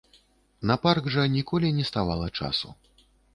На парк жа ніколі не ставала часу.